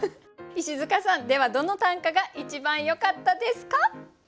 石塚さんではどの短歌が一番よかったですか？